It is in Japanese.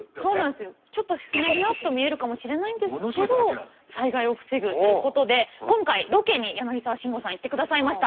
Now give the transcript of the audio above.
ちょっとフニャフニャっと見えるかもしれないんですけど災害を防ぐということで今回ロケに柳沢慎吾さん行ってくださいました。